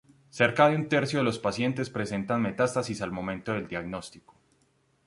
Cerca de un tercio de los pacientes presentan metástasis al momento del diagnóstico.